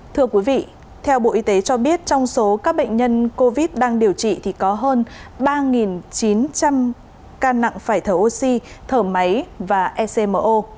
thưa quý vị theo bộ y tế cho biết trong số các bệnh nhân covid đang điều trị thì có hơn ba chín trăm linh ca nặng phải thở oxy thở máy và ecmo